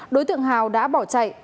đối tượng hào đã bỏ chạy